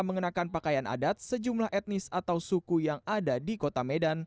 mengenakan pakaian adat sejumlah etnis atau suku yang ada di kota medan